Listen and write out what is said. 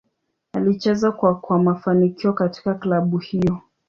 Alicheza kwa kwa mafanikio katika klabu hiyo.